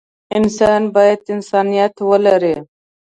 انسان بايد انسانيت ولري.